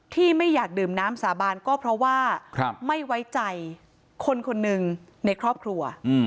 ไม่อยากดื่มน้ำสาบานก็เพราะว่าไม่ไว้ใจคนคนหนึ่งในครอบครัว